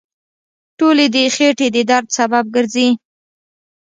ټولې د خېټې د درد سبب ګرځي.